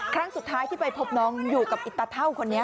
ครั้งสุดท้ายที่ไปพบน้องอยู่กับอิตาเท่าคนนี้